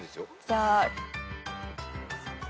じゃあ。